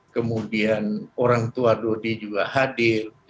kemudian orang tua dodi juga hadir